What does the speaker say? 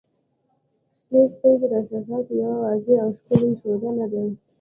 • شنې سترګې د احساساتو یوه واضح او ښکلی ښودنه ده.